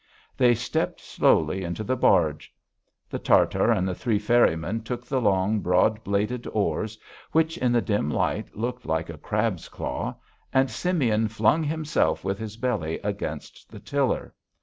They stepped slowly into the barge.... The Tartar and the three ferrymen took the long, broad bladed oars, which in the dim light looked like a crab's claw, and Simeon flung himself with his belly against the tiller.